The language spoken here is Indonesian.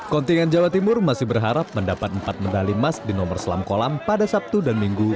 kontingen jawa timur masih berharap mendapat empat medali emas di nomor selam kolam pada sabtu dan minggu